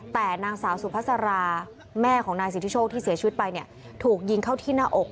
แต่นางสาวสุภาษาราแม่ของนายสิทธิโชคที่เสียชีวิตไปเนี่ยถูกยิงเข้าที่หน้าอก